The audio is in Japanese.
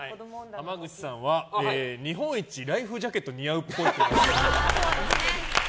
濱口さんは日本一ライフジャケット似合うっぽい。